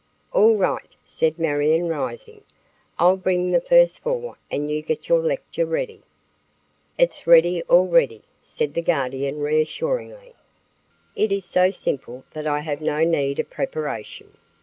"All right," said Marion, rising. "I'll bring the first four and you get your lecture ready." "It's ready already," said the guardian reassuringly. "It is so simple that I have no need of preparation."